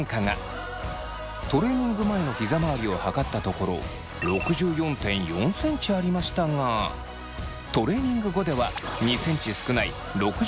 トレーニング前のひざ回りを測ったところ６４．４ｃｍありましたがトレーニング後では２ｃｍ少ない６２．４ｃｍに。